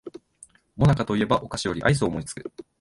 もなかと言えばお菓子よりアイスを思いつく